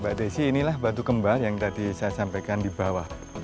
mbak desi inilah batu kembal yang tadi saya sampaikan di bawah